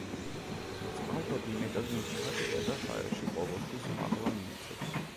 წყალბადი მეტად მჩატეა და ჰაერში ყოველთვის მაღლა მიიწევს.